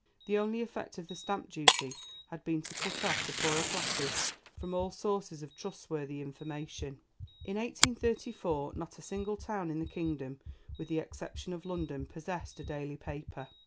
The only effect of the stamp duty had been to cut off the poorer classes from all sources of trustworthy information. In 1834 not a single town in the kingdom with the exception of London possessed a daily paper.